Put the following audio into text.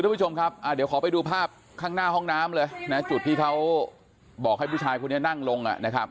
ไปดูภาพข้างหน้าห้องน้ำเลยจุดที่เขาบอกให้ผู้ชายคนนี้นั่งลง